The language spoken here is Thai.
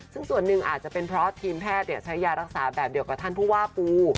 ซึ่งส่วนหนึ่งอาจจะเป็นเพราะทีมแพทย์ใช้ยารักษาแบบเดียวกับท่านผู้ว่าปู